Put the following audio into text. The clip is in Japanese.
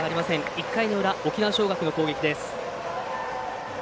１回の裏、沖縄尚学の攻撃です。